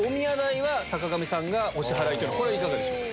これいかがでしょう？